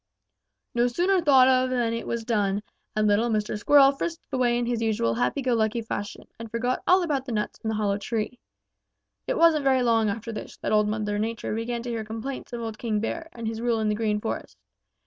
"No sooner thought of than it was done, and little Mr. Squirrel frisked away in his usual happy go lucky fashion and forgot all about the nuts in the hollow tree. It wasn't very long after this that Old Mother Nature began to hear complaints of old King Bear and his rule in the Green Forest.